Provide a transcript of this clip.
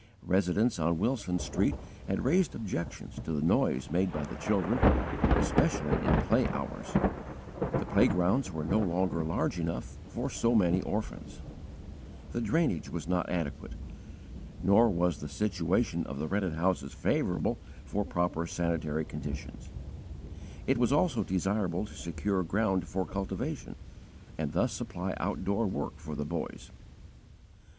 Residents on Wilson Street had raised objections to the noise made by the children, especially in play hours; the playgrounds were no longer large enough for so many orphans; the drainage was not adequate, nor was the situation of the rented houses favourable, for proper sanitary conditions; it was also desirable to secure ground for cultivation, and thus supply outdoor work for the boys, etc.